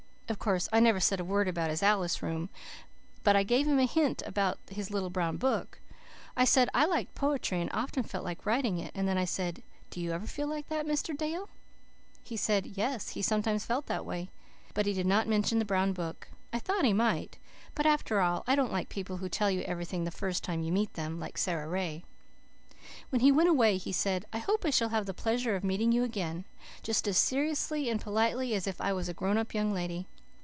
Of course I never said a word about his Alice room. But I gave him a hint about his little brown book. I said I loved poetry and often felt like writing it, and then I said, 'Do you ever feel like that, Mr. Dale?' He said, yes, he sometimes felt that way, but he did not mention the brown book. I thought he might have. But after all I don't like people who tell you everything the first time you meet them, like Sara Ray. When he went away he said, 'I hope I shall have the pleasure of meeting you again,' just as seriously and politely as if I was a grown up young lady.